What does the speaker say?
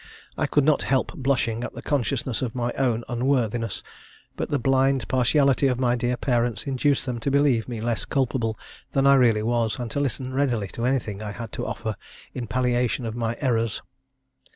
I could not help blushing at the consciousness of my own unworthiness; but the blind partiality of my dear parents induced them to believe me less culpable than I really was, and to listen readily to anything I had to offer in palliation of my errors."